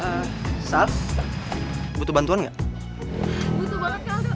aduh kali itu gentleman banget ya